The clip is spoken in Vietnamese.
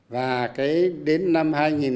và cái đến năm hai nghìn bốn mươi năm